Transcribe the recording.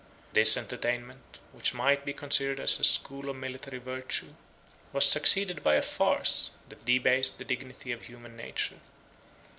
46 This entertainment, which might be considered as a school of military virtue, was succeeded by a farce, that debased the dignity of human nature.